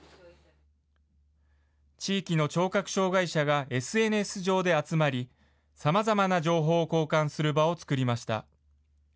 地域の聴覚障害者がＳＮＳ上で集まり、さまざまな情報を交換する場を作りました。